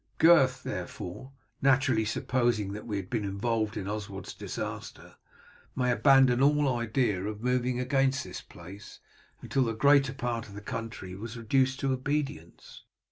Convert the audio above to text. Gurth, therefore, naturally supposing that we had been involved in Oswald's disaster, may abandon all idea of moving against this place until the greater part of the country was reduced to obedience."